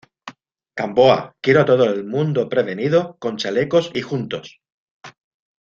Gamboa, quiero a todo el mundo prevenido, con chalecos y juntos.